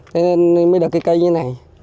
thế nên mới được cây cây như này